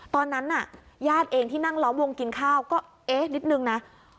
ตอนนั้นน่ะญาติเองที่นั่งล้อมวงกินข้าวก็เอ๊ะนิดนึงนะ